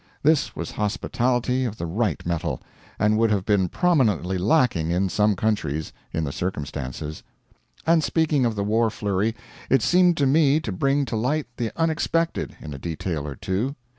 This was hospitality of the right metal, and would have been prominently lacking in some countries, in the circumstances. And speaking of the war flurry, it seemed to me to bring to light the unexpected, in a detail or two.